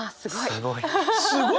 すごい。